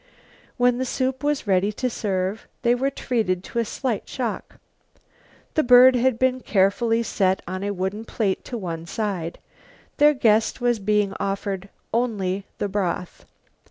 When the soup was ready to serve they were treated to a slight shock. The bird had been carefully set on a wooden plate to one side. Their guest was being offered only the broth.